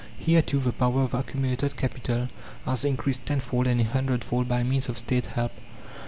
Here, too, the power of accumulated capital has increased tenfold and a hundredfold by means of State help.